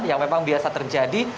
yang memang biasa terjadi